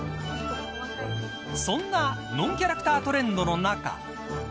そんなノンキャラクタートレンドの中。